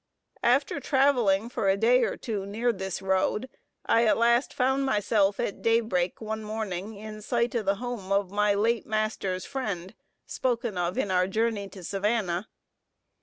After traveling for a day or two near this road, I at last found myself at daybreak one morning in sight of the home of my late master's friend, spoken of in our journey to Savannah.